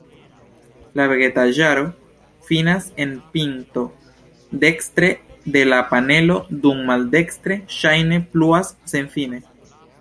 La vegetaĵaro finas en pinto dekstre de la panelo, dum maldekstre ŝajne pluas senfine.